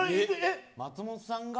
松本さんが。